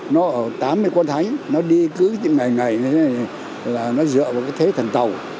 nó tám mươi con thánh nó đi cứ ngày ngày như thế này là nó dựa vào cái thế thần tàu